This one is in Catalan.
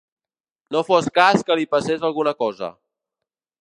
No fos cas que li passés alguna cosa.